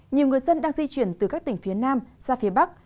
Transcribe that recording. nhiều người dân đang di chuyển từ các tỉnh phía nam ra phía bắc